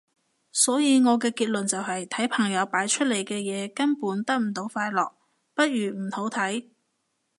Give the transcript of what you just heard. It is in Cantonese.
所以我嘅結論就係睇朋友擺出嚟嘅嘢根本得唔到快樂，不如唔好睇